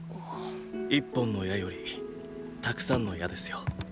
一本の矢よりたくさんの矢ですよ。